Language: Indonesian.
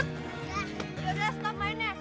udah udah stop mainnya